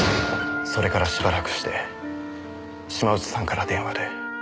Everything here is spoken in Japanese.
それからしばらくして島内さんから電話で。